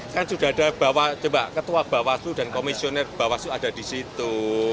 kan sudah ada ketua bawaslu dan komisioner bawaslu ada di situ